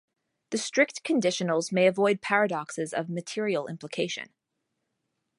The strict conditionals may avoid paradoxes of material implication.